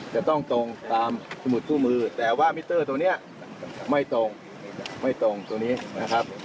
จะต้องตรงตามสมุดคู่มือแต่ว่ามิเตอร์ตัวนี้ไม่ตรงไม่ตรงตรงนี้นะครับ